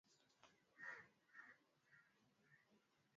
Endele na hayo matendo na utalia baadaye